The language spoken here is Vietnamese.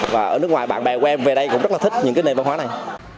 và ở nước ngoài bạn bè của em về đây cũng rất là thích những cái nền văn hóa này